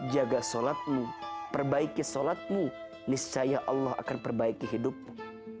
jaga sholatmu perbaiki sholatmu niscaya allah akan perbaiki hidupmu